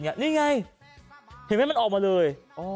นี่ไงเห็นไหมมันออกมาเลย